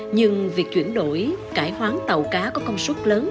nhưng việc chuyển đổi cải hoán tàu cá có công suất lớn